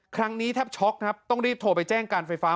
ครั้งนี้แทบช็อกครับต้องรีบโทรไปแจ้งการไฟฟ้า